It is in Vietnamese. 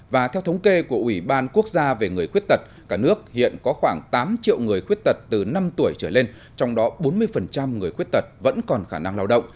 và theo thống kê của ủy ban quốc gia về người khuyết tật cả nước hiện có khoảng tám triệu người khuyết tật từ năm tuổi trở lên trong đó bốn mươi người khuyết tật vẫn còn khả năng lao động